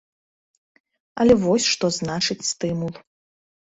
Але вось што значыць стымул!